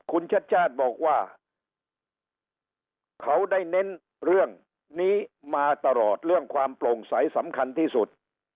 คุณชัดชาติบอกว่าเขาได้เน้นเรื่องนี้มาตลอดเรื่องความโปร่งใสสำคัญที่สุด